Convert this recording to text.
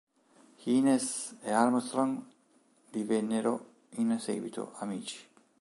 Hines e Armstrong divennero in seguito amici.